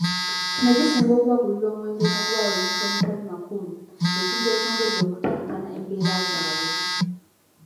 Kino kisinga okubagulira omwenge n'okubawa ebintu omutali makulu, ekintu ekyongedde okuttattana embeera zaabwe.